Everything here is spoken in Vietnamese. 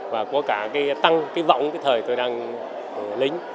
và có cả cái tăng cái võng cái thời tôi đang lính